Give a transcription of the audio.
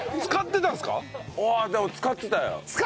使ってた！？